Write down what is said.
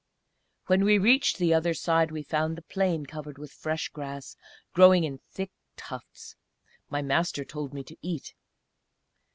When we reached the other side we found the plain covered with fresh grass, growing in thick tufts. My Master told me to eat.